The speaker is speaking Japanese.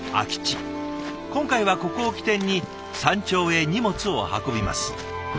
今回はここを起点に山頂へ荷物を運びます。